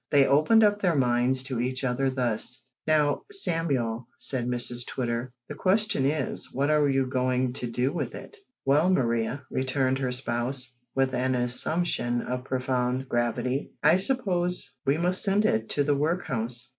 They opened up their minds to each other thus: "Now, Samuel," said Mrs Twitter, "the question is, what are you going to do with it?" "Well, Mariar," returned her spouse, with an assumption of profound gravity, "I suppose we must send it to the workhouse."